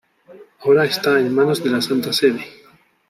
Ahora está en manos de la Santa Sede.